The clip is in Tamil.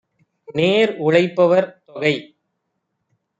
நேர்உழைப் பவர்தொகை!